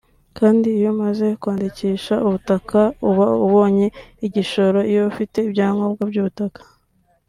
kandi iyo umaze kwandikisha ubutaka uba ubonye igishoro iyo ufite ibyangombwa by’ubutaka